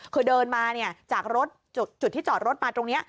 คือเดินมาจากรถจุดที่จอดรถมาตรงนี้